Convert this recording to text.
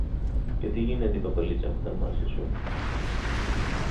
Και τι γίνεται η κοπελίτσα που ήταν μαζί σου;